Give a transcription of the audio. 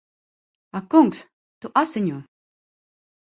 Ak kungs! Tu asiņo!